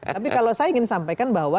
tapi kalau saya ingin sampaikan bahwa